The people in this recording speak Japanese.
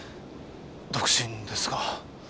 独身ですが。